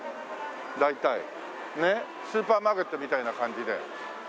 スーパーマーケットみたいな感じで。